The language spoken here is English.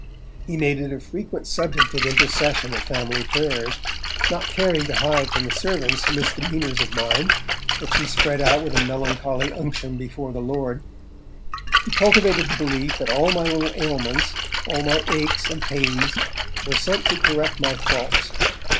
He made it a frequent subject of intercession at family prayers, not caring to hide from the servants misdemeanours of mine, which he spread out with a melancholy unction before the Lord. He cultivated the belief that all my little ailments, all my aches and pains, were sent to correct my faults.